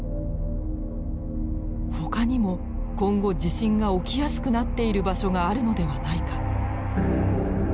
ほかにも今後地震が起きやすくなっている場所があるのではないか。